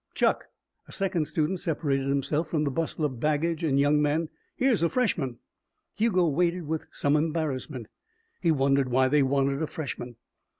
Chuck!" A second student separated himself from the bustle of baggage and young men. "Here's a freshman." Hugo waited with some embarrassment. He wondered why they wanted a freshman.